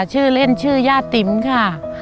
ชื่อเล่นชื่อย่าติ๋มค่ะ